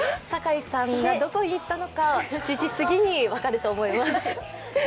酒井さんがどこに行ったのか７時過ぎに分かると思います。